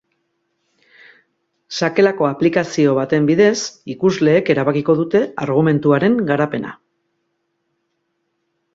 Sakelako aplikazio baten bidez, ikusleek erabakiko dute argumentuaren garapena.